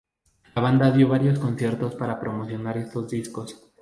La banda dio varios conciertos para promocionar estos discos.